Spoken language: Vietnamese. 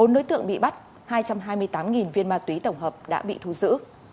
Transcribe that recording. bốn đối tượng bị bắt hai trăm hai mươi tám viên ma túy tổng hợp đã bị thu giữ